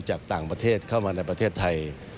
จากต่างประเทศเข้ามาในประเทศไทย